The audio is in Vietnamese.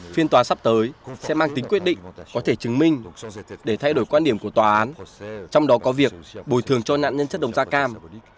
phiên tòa sắp tới sẽ mang tính quyết định có thể chứng minh để thay đổi quan điểm của tòa án trong đó có việc bồi thường cho nạn nhân chất độc da cam